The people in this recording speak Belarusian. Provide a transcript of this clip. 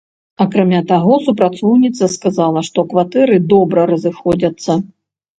Акрамя таго, супрацоўніца сказала, што кватэры добра разыходзяцца.